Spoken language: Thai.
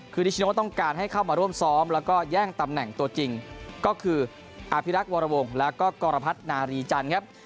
คือนิชโนต้องการให้เข้ามาร่วมซ้อมแล้วก็แย่งตำแหน่งตัวจริงก็คืออภิรักษ์วรวงแล้วก็กรพัฒนารีจันทร์ครับ